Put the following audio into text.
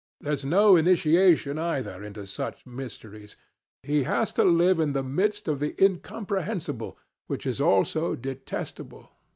There's no initiation either into such mysteries. He has to live in the midst of the incomprehensible, which is also detestable.